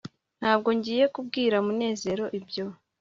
ntabwo ngiye kubwira munezero ibyo